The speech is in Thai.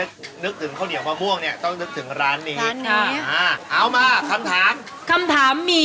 คือข้าวเหนียวเนี่ยถ้ามูลไม่ดีมันแฉะไง